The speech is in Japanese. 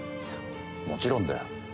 もちろんだよ。